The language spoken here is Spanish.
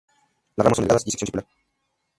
Las ramas son delgadas y sección circular.